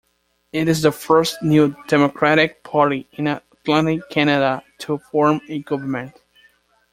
It is the first New Democratic Party in Atlantic Canada to form a government.